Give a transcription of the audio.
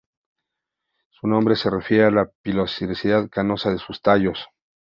Su nombre se refiere a la pilosidad canosa de sus tallos.